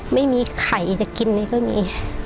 ไม่มีไข่จะกินเลยก็มี